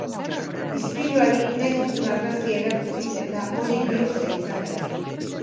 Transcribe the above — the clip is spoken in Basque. Ispiluari nahi duzun argazkia erakutsi eta hori bihur zaitzake.